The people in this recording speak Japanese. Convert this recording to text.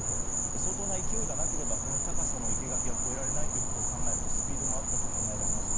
相当な勢いがなければこの高さの生け垣は越えられないことを考えますとスピードもあったと考えられます。